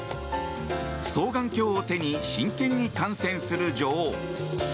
双眼鏡を手に真剣に観戦する女王。